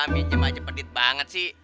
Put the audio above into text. minjem aja pedit banget sih